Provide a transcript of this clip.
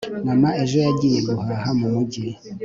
mama ejo yagiye guhaha mumujyi